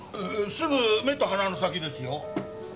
すぐ目と鼻の先ですよ。